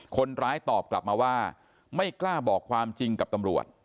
คนร้ายตอบกลับมาว่าไม่กล้าบอกความจริงกับตำรวจ